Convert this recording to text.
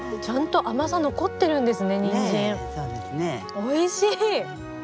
おいしい！